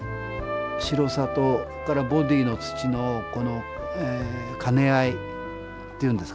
白さとそれからボディーの土の兼ね合いっていうんですかね